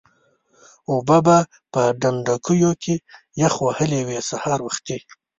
اوبه به په ډنډوکیو کې یخ وهلې وې سهار وختي.